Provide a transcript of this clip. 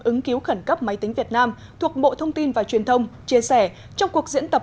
ứng cứu khẩn cấp máy tính việt nam thuộc bộ thông tin và truyền thông chia sẻ trong cuộc diễn tập